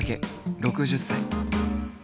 ６０歳。